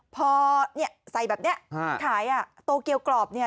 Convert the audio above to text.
พอใส่แบบนี้ขายโตเกียวกรอบเนี่ย